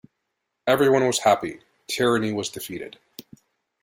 Everyone was happy, tyranny was defeated.